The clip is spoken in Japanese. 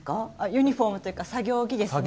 ユニフォームというか作業着ですか。